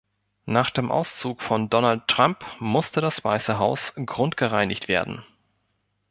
Nach dem Auszug von Donald Trump musste das Weiße Haus grundgereinigt werden.